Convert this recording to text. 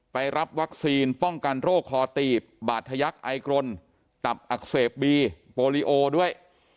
ไปรับวัคซีนป้องกันโรคคอตีบบาดทะยักษ์ไอกรนตับอักเสบบีโปรลิโอด้วย